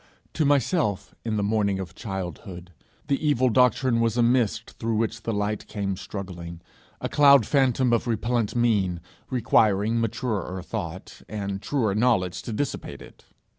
To myself, in the morning of childhood, the evil doctrine was a mist through which the light came struggling, a cloud phantom of repellent mien requiring maturer thought and truer knowledge to dissipate it.